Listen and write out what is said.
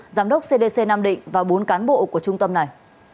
giám đốc cdc nam định và bốn cán bộ của trung tâm này